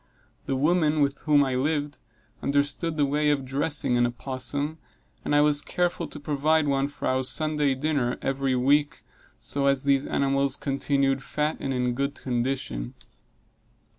The woman with whom I lived, understood the way of dressing an opossum, and I was careful to provide one for our Sunday dinner every week, so long as these animals continued fat and in good condition.